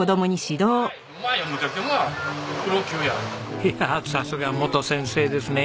いやさすが元先生ですね。